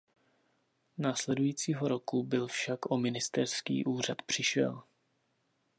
Následujícího roku byl však o ministerský úřad přišel.